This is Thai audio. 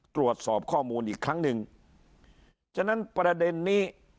ตรวจสอบข้อมูลอีกครั้งหนึ่งฉะนั้นประเด็นนี้